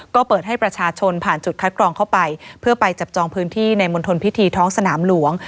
ก็เปิดให้ประชาชนผ่านจุดคัดกรองเข้าไปเพื่อไปจับจองพื้นที่ในมณฑลพิธีท้องสนามหลวง